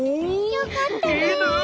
よかったね。